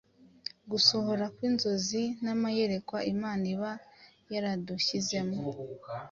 Gusohora kw’inzozi n’amayerekwa Imana iba yaradushyizemo